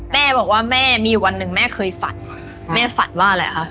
แม่บอกว่าแม่มีวันหนึ่งแม่เคยฝันแม่ฝันว่าอะไรคะ